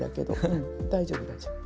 うん大丈夫大丈夫。